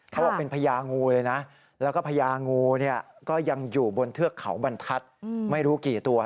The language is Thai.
เขาบอกเป็นพญางูเลยนะแล้วก็พญางูเนี่ยก็ยังอยู่บนเทือกเขาบรรทัศน์ไม่รู้กี่ตัว